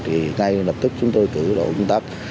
ngay lập tức chúng tôi cử đội công tác